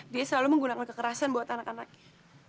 dia selalu menggunakan kekerasan buat anak anaknya